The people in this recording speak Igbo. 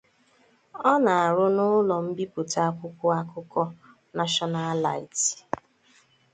ọ na-arụ n'ụlọ mbipụta akwụkwọ akụkọ National Light